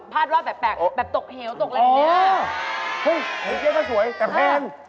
ภาพว่าแบบแปลกแบบตกเหลวตกอะไรแบบนี้